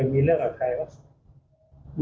มีเรื่องกับใครวะ